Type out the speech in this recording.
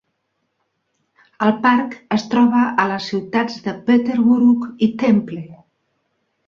El parc es troba a les ciutats de Peterborough i Temple.